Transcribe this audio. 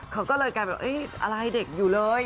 เขาก็เลยแกล้วแบบว่าเฮ้ยอะไรเด็กอยู่เลย